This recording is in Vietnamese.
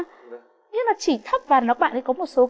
nghĩ là chỉ thấp và bạn ấy có một số